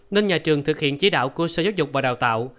nên nhà trường thực hiện chỉ đạo của sở giáo dục và đào tạo